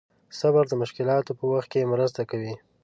صبر د مشکلاتو په وخت کې مرسته کوي.